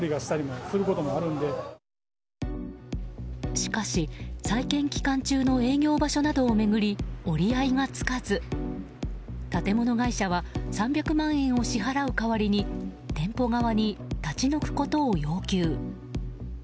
しかし、再建期間中の営業場所などを巡り折り合いがつかず建物会社は３００万円を支払う代わりに店舗側に立ち退くことを要求。